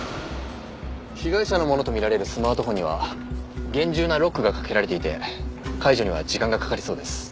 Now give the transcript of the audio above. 被害者のものと見られるスマートフォンには厳重なロックがかけられていて解除には時間がかかりそうです。